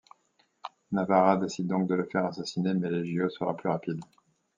Navarra décide donc de le faire assassiner, mais Leggio sera plus rapide.